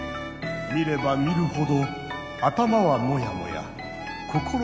見れば見るほど頭はモヤモヤ心もモヤモヤ。